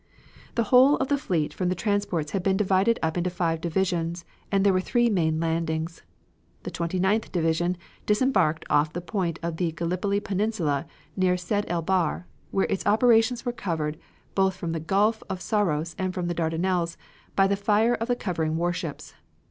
The whole of the fleet from the transports had been divided up into five divisions and there were three main landings. The 29th Division disembarked off the point of the Gallipoli Peninsula near Sedd el Bahr, where its operations were covered both from the gulf of Saros and from the Dardanelles by the fire of the covering warships.